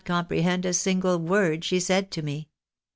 331 comprehend a single word she said to me.